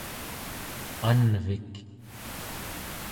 anvik